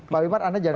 pak wipar anda jangan